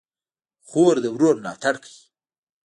خور د ورور ملاتړ کوي.